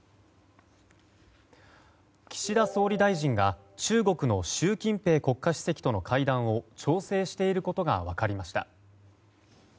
岸田総理大臣が中国の習近平国家主席との会談を調整していることが分かりました。